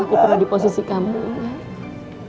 aku pernah di posisi kamu